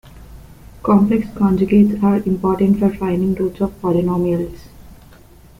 Complex conjugates are important for finding roots of polynomials.